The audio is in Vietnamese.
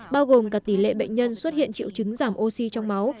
bao gồm cả tỷ lệ bệnh nhân xuất hiện triệu chứng giảm oxy trong máu